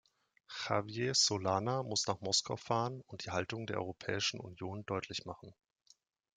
Javier Solana muss nach Moskau fahren und die Haltung der Europäischen Union deutlich machen.